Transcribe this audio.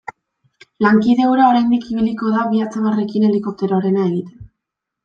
Lankide hura oraindik ibiliko da bi atzamarrekin helikopteroarena egiten.